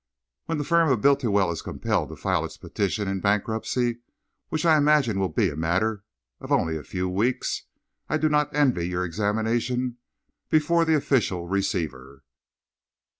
When the firm of Bultiwell is compelled to file its petition in bankruptcy, which I imagine will be a matter of only a few weeks, I do not envy you your examination before the official receiver."